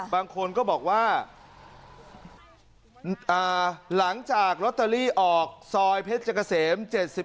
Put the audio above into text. บางคนก็บอกว่าหลังจากลอตเตอรี่ออกซอยเพชรเกษม๗๒